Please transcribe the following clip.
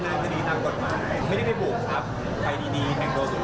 ตรงนี้ก็ต้องพินังเนินเกี่ยวกับพวกสมพงอตรอง